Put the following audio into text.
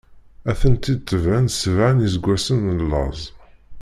Ad ten-id-tebɛen sebɛa n iseggwasen n laẓ.